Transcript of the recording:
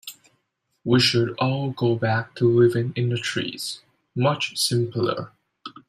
We should all go back to living in the trees, much simpler.